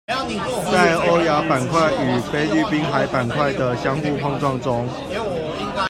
在歐亞板塊與菲律賓海板塊的相互碰撞中